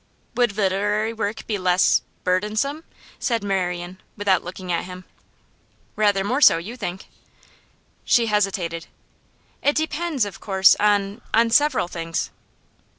'Would literary work be less burdensome?' said Marian, without looking at him. 'Rather more so, you think?' She hesitated. 'It depends, of course, on on several things.